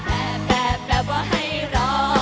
แบบแบบแบบว่าให้รอ